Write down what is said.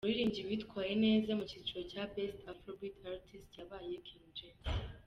Umuririmbyi witwaye neza mu cyiciro cya “Best Afro Beat Artist” yabaye King James.